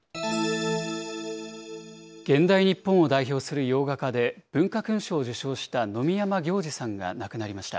現代日本を代表する洋画家で、文化勲章を受章した野見山暁治さんが亡くなりました。